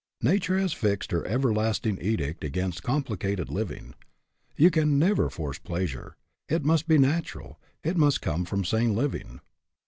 Nature has fixed her everlasting edict against complicated living. You can never force pleasure it must be natural ; it must come from sane living.